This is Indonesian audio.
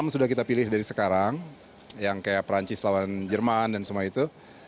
enam sudah kita pilih dari sekarang yang kayak perancis lawan jerman dan semua itu